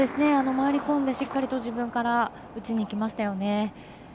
回り込んでしっかり自分から打ちにいきましたよね。